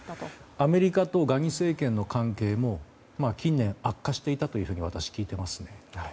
アメリカとガニ政権の関係も、近年悪化していたというふうに私は聞いてますね。